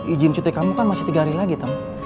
izin cuti kamu kan masih tiga hari lagi